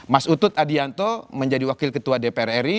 mas utut adianto menjadi wakil ketua dpr ri